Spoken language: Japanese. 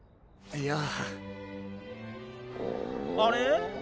いや。あれ？